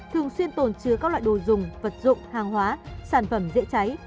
thường xuyên tồn chứa các loại đồ dùng vật dụng hàng hóa sản phẩm dễ cháy